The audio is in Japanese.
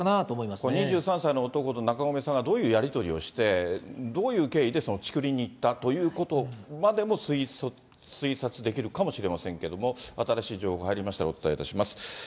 これ、２３歳の男と中込さんがどういうやり取りをして、どういう経緯でその竹林に行ったということまでも推察できるかもしれませんけれども、新しい情報入りましたらお伝えいたします。